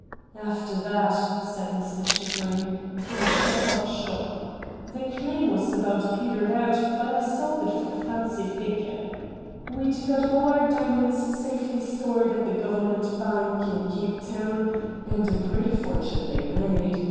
' After that,' said Mr. Chickering, ' I shut up shop. The claim was about petered out, but I sold it for a fancy figure. We'd got all our diamonds safely stored at the Govern ment Bank in Cape Town, and a pretty for A STRANGE STORY 73 tune they made.